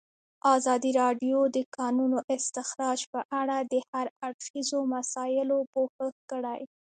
ازادي راډیو د د کانونو استخراج په اړه د هر اړخیزو مسایلو پوښښ کړی.